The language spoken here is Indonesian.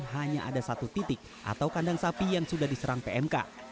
hanya ada satu titik atau kandang sapi yang sudah diserang pmk